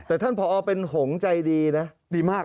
แต่ท่านผอเป็นหงษ์ใจดีนะดีมาก